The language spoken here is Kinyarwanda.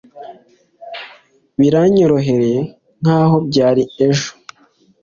biranyoroheye nkaho byari ejo